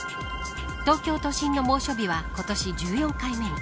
東京都心の猛暑日は今年１４回目に。